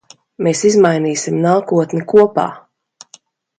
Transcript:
Mēs izmainīsim nākotni kopā.